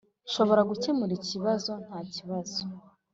] nshobora gukemura ikibazo ntakibazo.